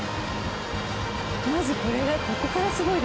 まずこれがここからすごいですね。